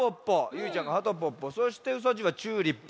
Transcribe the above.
ゆいちゃんが「はとポッポ」そしてうさじいは「チューリップ」。